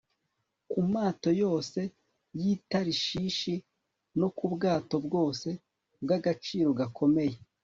ku mato yose y'i tarishishi no ku bwato bwose bw'agaciro gakomeye